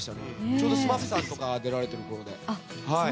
ちょうどＳＭＡＰさんとかが出られているころで。